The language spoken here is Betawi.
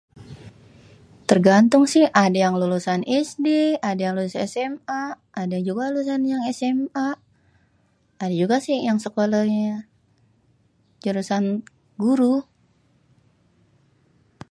Tergantung si ada yang lulusan SD, ada yang lulus SMA ada juga yang lulusan SMK, ada juga sih yang sêkolêhnyê, jurusan guru .